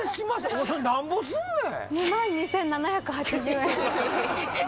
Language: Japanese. お前それなんぼすんねん？